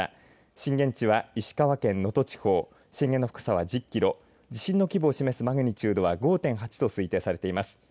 震源地は石川県能登地方震源の深さは１０キロ地震の規模を示すマグニチュード５．８と推定されています。